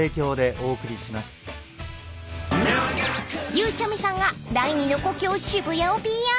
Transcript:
［ゆうちゃみさんが第２の故郷渋谷をＰＲ］